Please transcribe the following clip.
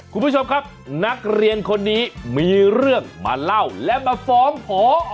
คุณผู้ชมครับนักเรียนคนนี้มีเรื่องมาเล่าและมาฟ้องพอ